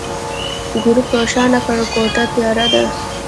ګروپ روښانه کړه، کوټه تياره ده.